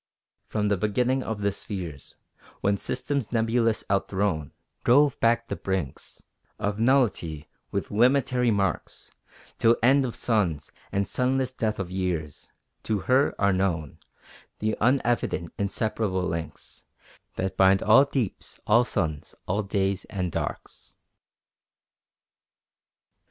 From the beginning of the spheres, When systems nebulous out thrown Drove back the brinks Of nullity with limitary marks, Till end of suns, and sunless death of years, To her are known The unevident inseparable links That bind all deeps, all suns, all days and darks.